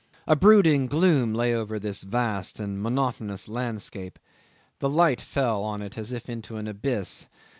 A brooding gloom lay over this vast and monotonous landscape; the light fell on it as if into an abyss.